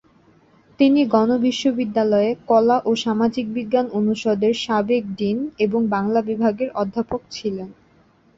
তিনি গণ বিশ্ববিদ্যালয়ে কলা ও সামাজিক বিজ্ঞান অনুষদের সাবেক ডীন এবং বাংলা বিভাগের অধ্যাপক ছিলেন।